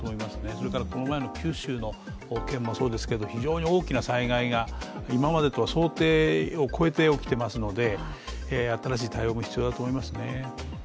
それからこの前の九州の件もそうですけど非常に大きな災害が今までと想定を超えて起きていますので、新しい対応も必要だと思いますね。